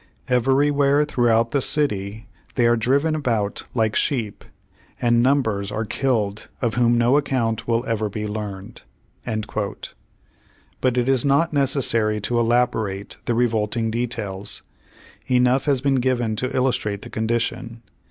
Everywhere throughout the Page One Hundred thirly tliree city they are driven about like sheep, and numbers are killed, of whom no account will ever be learned." But it is not necessary to elaborate the revolting details. Enough has been given to illustrate the condition.